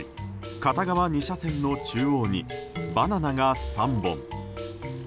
片側２車線の中央にバナナが３本。